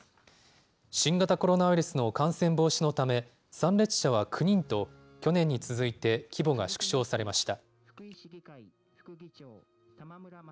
新型コロナウイルスの感染防止のため、参列者は９人と、去年に続いて規模が縮小されました。